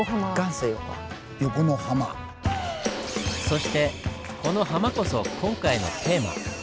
そしてこのハマこそ今回のテーマ。